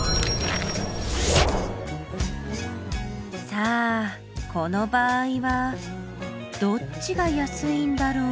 さあこの場合はどっちが安いんだろう？